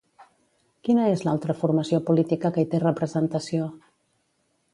Quina és l'altra formació política que hi té representació?